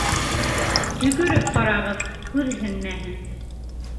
— Төкөрөп ҡарағыҙ, күҙһенмәһен.